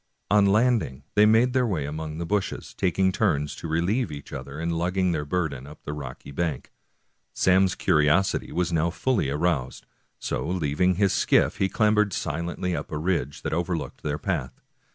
On landing they made their way among the bushes, taking turns to relieve each other in lugging their burden up the rocky bank. Sam's curiosity was now fully aroused, so leaving his skiff he clambered silently up a ridge that over looked their path.